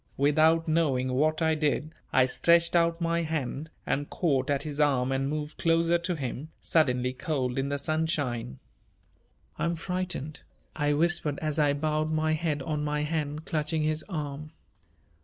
Without knowing what I did I stretched out my hand and caught at his arm and moved closer to him, suddenly cold in the sunshine. "I'm frightened," I whispered, as I bowed my head on my hand, clutching his arm.